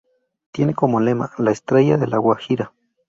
Tiene como lema: "La Estrella de La Guajira".